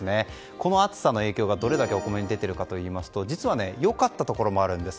この暑さの影響がどれだけお米に出ているかといいますと実は良かったところもあるんです。